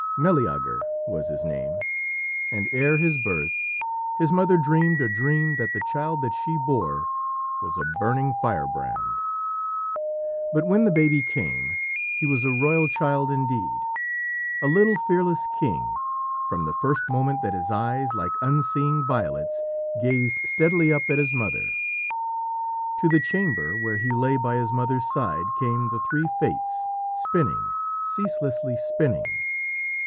Meleager was his name, and ere his birth his mother dreamed a dream that the child that she bore was a burning firebrand. But when the baby came he was a royal child indeed, a little fearless king from the first moment that his eyes, like unseeing violets, gazed steadily up at his mother. To the chamber where he lay by his mother's side came the three Fates, spinning, ceaselessly spinning.